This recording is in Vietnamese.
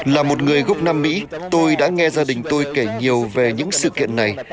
là một người gốc nam mỹ tôi đã nghe gia đình tôi kể nhiều về những sự kiện này